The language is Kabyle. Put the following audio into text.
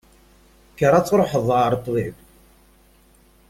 Kker ad truḥeḍ ɣer ṭṭbib.